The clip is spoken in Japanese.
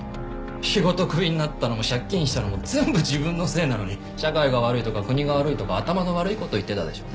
仕事クビになったのも借金したのも全部自分のせいなのに社会が悪いとか国が悪いとか頭の悪い事言ってたでしょ。